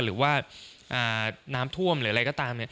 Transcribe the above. หรือว่าน้ำท่วมหรืออะไรก็ตาม